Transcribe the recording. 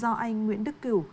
do anh nguyễn đức kiểu